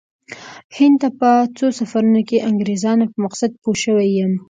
هند ته په څو سفرونو کې د انګریزانو په مقصد پوه شوی یم.